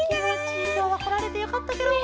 きょうはこられてよかったケロ。ね。